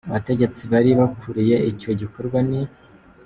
Abategetsi bari bakuriye icyo gikorwa ni :